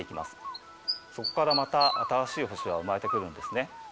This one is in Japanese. そこからまた新しい星は生まれてくるんですね。